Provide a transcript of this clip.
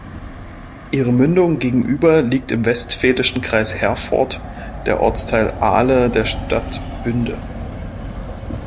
Ihre Mündung gegenüber liegt im westfälischen Kreis Herford der Ortsteil Ahle der Stadt Bünde.